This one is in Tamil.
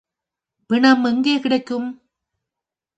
பிணம் எங்கே கிடைக்கும்?